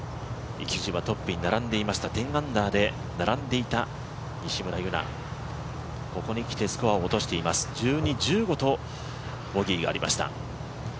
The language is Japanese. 一時はトップに並んでいました、１０アンダーで並んでいた西村優菜、ここにきてスコアを落としています、１２、１５とボギーがありました。